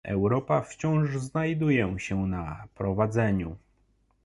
Europa wciąż znajduje się na prowadzeniu